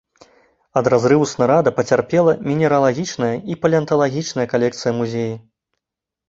Ад разрыву снарада пацярпела мінералагічная і палеанталагічныя калекцыя музея.